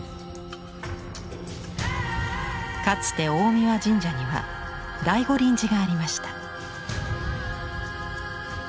かつて大神神社には大御輪寺がありました。